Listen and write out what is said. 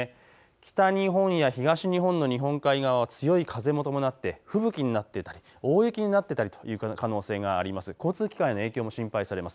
北日本や東日本の日本海側は強い風も伴って吹雪になってたり、大雪になってたりという可能性があります。